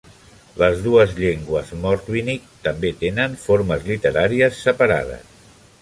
Les dues llengües mordvinic també tenen formes literàries separades.